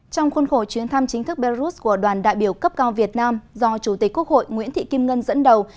trong khuôn khổ chuyến thăm chính thức belarus của đoàn đại biểu cấp cao việt nam do chủ tịch quốc hội nguyễn thị kim ngân dẫn đầu